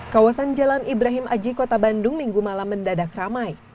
kawasan jalan ibrahim aji kota bandung minggu malam mendadak ramai